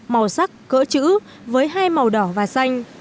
màu sắc cỡ chữ với hai màu đỏ và xanh